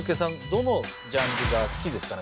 どのジャンルが好きですかね